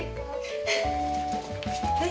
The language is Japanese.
はい。